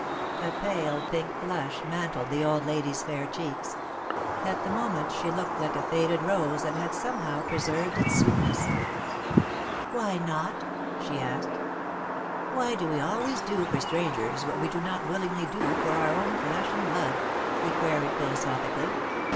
A pale pink flush mantled the old lady's fair cheeks. At the moment she looked like a faded rose that had somehow preserved its sweetness. "Why not?" she asked. "Why do we always do for strangers what we do not willingly do for our own flesh and blood?" he queried, philosophically.